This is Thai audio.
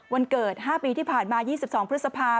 วันเกิด๕ปีที่ผ่านมา๒๒พฤษภา